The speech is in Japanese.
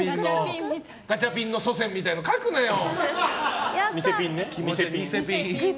ガチャピンの祖先みたいなの描くなよ！